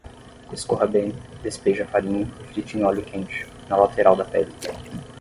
Escorra bem, despeje a farinha e frite em óleo quente, na lateral da pele.